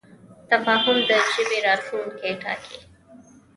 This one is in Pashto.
تفاهم د ژبې راتلونکی ټاکي.